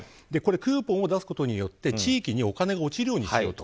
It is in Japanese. クーポンを出すことによって地域にお金が落ちるようにしようと。